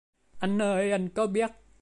Anh ơi anh có biết